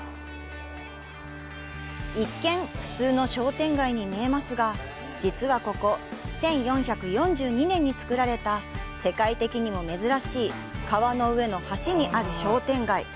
一見普通の商店街に見えますが、実はここ、１４４２年に造られた世界的にも珍しい川の上の橋にある商店街。